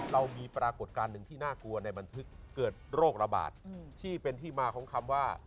เรามีปรากฏการณ์หนึ่งที่น่ากลัวในบันทึกเกิดโรคระบาดที่เป็นที่มาของคำว่า